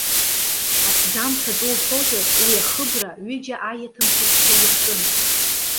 Аҭӡамц атәы уҳәозар, уи ахыбра, ҩыџьа аиеҭым хәыҷқәа иртәын.